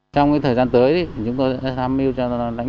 trong thời gian tới chúng tôi đã tham mưu cho các đối tượng